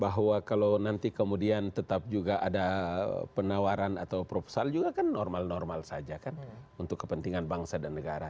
bahwa kalau nanti kemudian tetap juga ada penawaran atau proposal juga kan normal normal saja kan untuk kepentingan bangsa dan negara